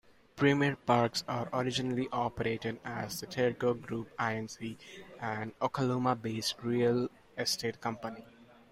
Premier Parks originally operated as the Tierco Group, Inc., an Oklahoma-based real estate company.